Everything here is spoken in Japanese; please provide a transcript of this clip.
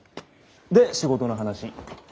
で仕事の話。